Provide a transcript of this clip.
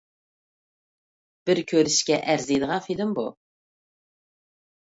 بىر كۆرۈشكە ئەرزىيدىغان فىلىم بۇ.